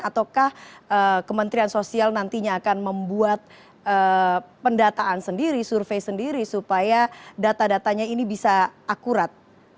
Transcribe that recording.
ataukah kementerian sosial nantinya akan membuat pendataan sendiri survei sendiri supaya data datanya ini bisa akurat